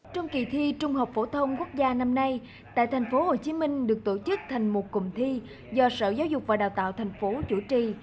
trong kỳ thi trung học phổ thông quốc gia năm nay tại thành phố hồ chí minh được tổ chức thành một cùng thi do sở giáo dục và đào tạo thành phố chủ trì